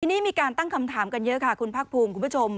ทีนี้มีการตั้งคำถามกันเยอะค่ะคุณภาคภูมิคุณผู้ชม